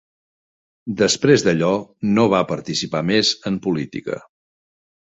Després d'allò, no va participar més en política.